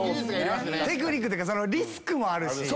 テクニックっていうかリスクもあるし。